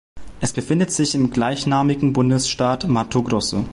Es befindet sich im gleichnamigen Bundesstaat Mato Grosso.